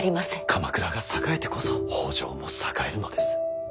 鎌倉が栄えてこそ北条も栄えるのです。